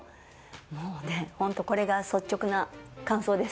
もうね本当これが率直な感想です。